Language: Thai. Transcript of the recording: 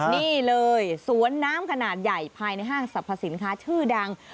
นี่เลยสวนน้ำขนาดใหญ่ภายในห้างสรรพสินค้าชื่อดัง